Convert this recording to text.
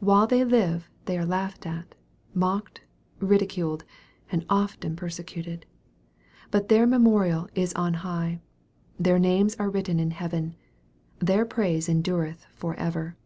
While they live they are laughed at, mocked, ridiculed, and often persecuted. But their me morial is on high. Their names are written in heaven. Their praise endureth for ever.